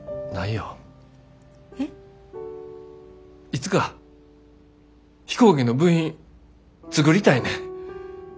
いつか飛行機の部品作りたいねん。